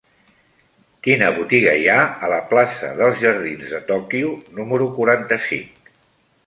Quina botiga hi ha a la plaça dels Jardins de Tòquio número quaranta-cinc?